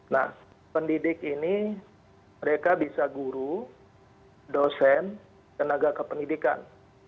nah pendidik ini mereka bisa guru dosen tenaga kependidikan